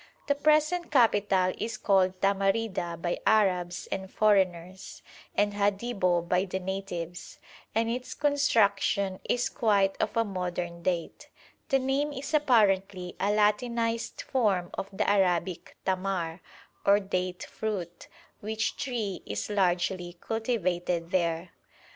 The present capital is called Tamarida by Arabs and foreigners, and Hadibo by the natives, and its construction is quite of a modern date; the name is apparently a Latinised form of the Arabic tamar, or date fruit, which tree is largely cultivated there.